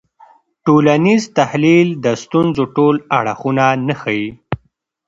ټولنیز تحلیل د ستونزو ټول اړخونه نه ښيي.